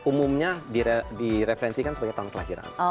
umumnya direferensikan sebagai tahun kelahiran